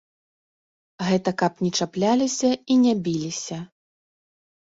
Гэта каб не чапляліся і не біліся.